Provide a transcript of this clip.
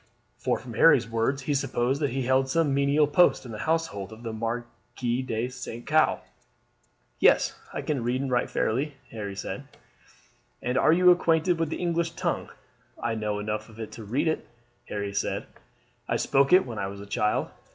For from Harry's words he supposed that he had held some menial post in the household of the Marquis de St. Caux. "Yes, I can read and write fairly," Harry said. "And are you acquainted with the English tongue?" "I know enough of it to read it," Harry said. "I spoke it when I was a child."